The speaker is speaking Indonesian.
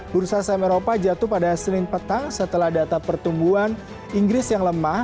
bursa saham eropa jatuh pada senin petang setelah data pertumbuhan inggris yang lemah